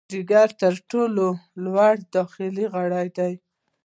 جګر تر ټولو لوی داخلي غړی دی.